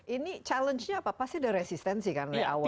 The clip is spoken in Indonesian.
ini challenge nya apa pasti ada resistensi kan dari awal